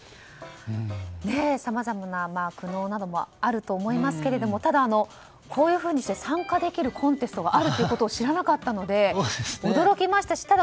さまざまな苦悩などもあると思いますけれどもただ、こういうふうにして参加できるコンテストがあることを知らなかったので驚きましたし。